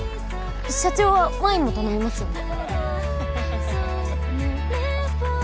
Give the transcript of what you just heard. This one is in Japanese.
社長はワインも頼みますよね